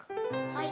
はい。